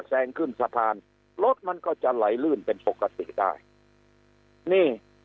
แซงขึ้นสะพานรถมันก็จะไหลลื่นเป็นปกติได้นี่